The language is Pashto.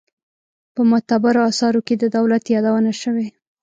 په معتبرو آثارو کې د دولت یادونه شوې.